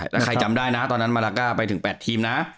แล้วใครจำได้นะตอนนั้นมาลาก้าไปถึง๘ทีมนะ